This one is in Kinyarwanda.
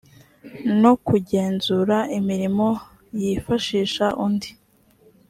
no kugenzura imirimo yifashisha undi